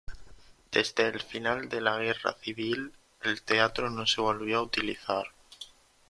Desde el final de la Guerra Civil el teatro no se volvió a utilizar.